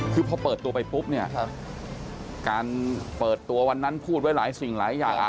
คือพอเปิดตัวไปปุ๊บเนี่ยการเปิดตัววันนั้นพูดไว้หลายสิ่งหลายอย่าง